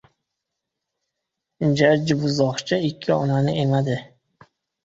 • Jajji buzoqcha ikki onani emadi.